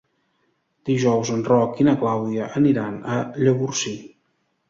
Dijous en Roc i na Clàudia aniran a Llavorsí.